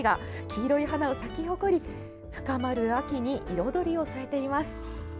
黄色い花が咲き誇り深まる秋に彩りを添えています。